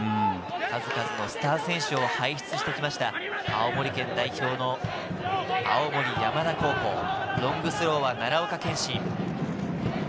数々のスター選手を輩出してきました、青森県代表の青森山田高校、ロングスローは奈良岡健心。